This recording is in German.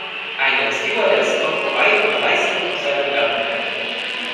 Eine Stewardess kommt vorbei und reißt ihn aus seiner Gedankenwelt.